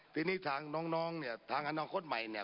ทีนี้ทางน้องเนี่ยทางอนาคตใหม่เนี่ย